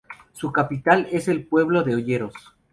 Su capital es el pueblo de "Olleros".